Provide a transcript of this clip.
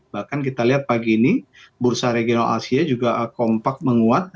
bahkan kita lihat pagi ini bursa regional asia juga kompak menguat